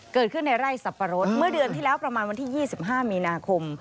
เกิดขึ้นในไร่สับปะรดเมื่อเดือนที่แล้วประมาณวันที่๒๕มีนาคม